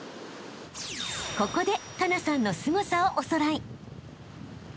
［ここで佳那さんのすごさをおさらい］